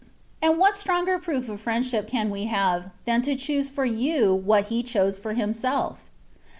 And what stronger proof of friendship can we have, than to choose for you what he chose for Himself?